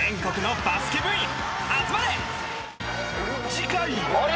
［次回］